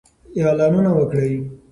اعلانونه وکړئ.